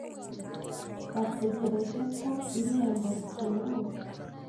Bategereje ko irembo rikingurwa.